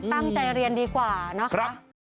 ตั้งใจเรียนดีกว่านะคะ